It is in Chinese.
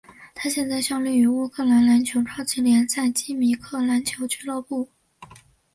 他现在效力于乌克兰篮球超级联赛基米克篮球俱乐部。